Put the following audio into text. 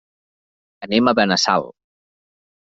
Anem a Benassal.